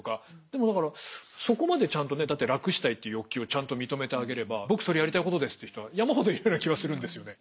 でもだからそこまでちゃんとねだって楽したいっていう欲求をちゃんと認めてあげれば僕それやりたいことですっていう人は山ほどいるような気はするんですよね。